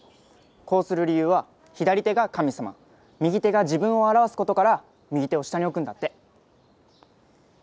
こうする理由は左手が神様右手が自分を表すことから右手を下に置くんだって。